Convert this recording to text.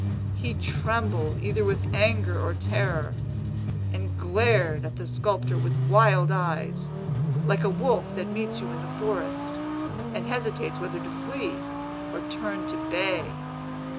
He trembled either with anger or terror, and glared at the sculptor with wild eyes, like a wolf that meets you in the forest, and hesitates whether to flee or turn to bay.